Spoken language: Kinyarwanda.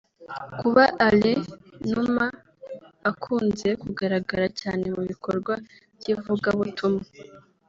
Kuba Alain Numa akunze kugaragara cyane mu bikorwa by'ivugabutumwa